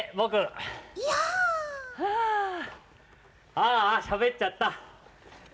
ああしゃべっちゃった。